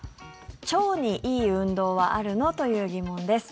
腸にいい運動はあるの？という疑問です。